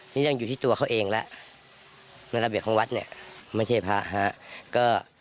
นี่ต้องอยู่ที่ตัวเค้าเองล่ะลักษณะระเบียบของวัดเนี่ยมันใช่พระฯภาค